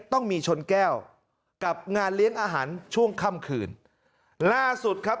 ต้องมีชนแก้วกับงานเลี้ยงอาหารช่วงค่ำคืนล่าสุดครับ